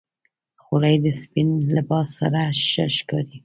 خولۍ د سپین لباس سره ښه ښکاري.